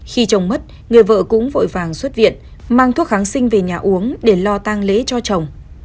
khi chồng mất người vợ cũng vội vàng xuất viện mang thuốc kháng sinh về nhà uống để lo tăng lễ cho chồng